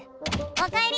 おかえり！